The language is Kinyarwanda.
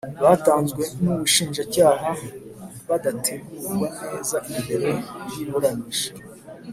batanzwe n Ubushinjacyaha badategurwa neza mbere y iburanisha